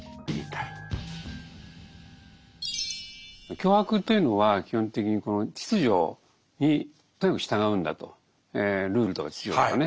強迫というのは基本的にこの秩序にとにかく従うんだとルールとか秩序とかね